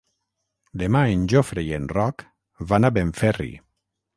Demà en Jofre i en Roc van a Benferri.